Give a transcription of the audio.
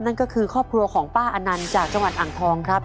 นั่นก็คือครอบครัวของป้าอนันต์จากจังหวัดอ่างทองครับ